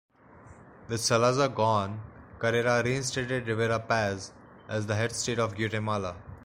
With Salazar gone, Carrera reinstated Rivera Paz as Head of State of Guatemala.